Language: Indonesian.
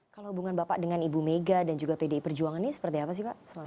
kalau hubungan bapak dengan ibu mega dan juga pdi perjuangan ini seperti apa sih pak